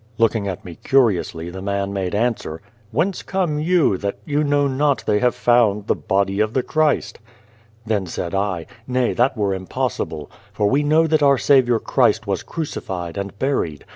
Looking at me curiously, the man made answer, "Whence come you, that you know not they have found the body of the Christ ?" Then said I :" Nay, that were impossible, for we know that our Saviour Christ was 172 and the Devil crucified, and buried.